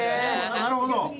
なるほど。